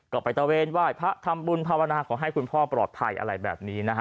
ก็ไปตะเวนไหว้พระทำบุญภาวนาขอให้คุณพ่อปลอดภัยอะไรแบบนี้นะฮะ